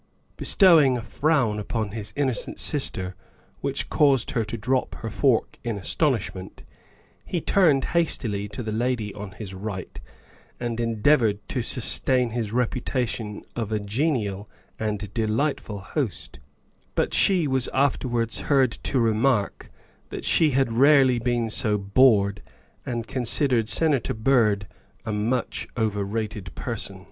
Bestowing a frown upon his innocent sister which caused her to drop her fork in astonishment, he turned hastily to the lady on his right and endeavored to sustain his reputation of a genial and delightful host, but she was afterwards heard to remark that she had rarely been so bored, and considered Senator Byrd a much overrated person.